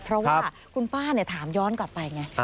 เพราะว่าคุณป้าถามย้อนกลับไปไง